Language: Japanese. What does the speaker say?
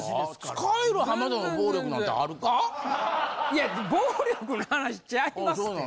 いや暴力の話ちゃいますって。